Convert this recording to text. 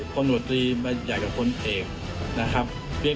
สนุนโดยน้ำดื่มสิง